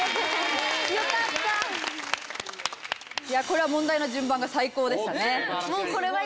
これは問題の順番が最高でしたね。